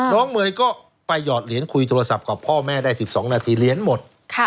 เมย์ก็ไปหยอดเหรียญคุยโทรศัพท์กับพ่อแม่ได้๑๒นาทีเหรียญหมด